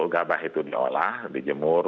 gabah itu diolah dijemur